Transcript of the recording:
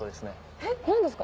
えっ何ですか？